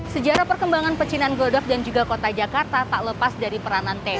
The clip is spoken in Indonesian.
sejarah perkembangan pecinan glodok dan juga kota jakarta tak lepas dari peranan teo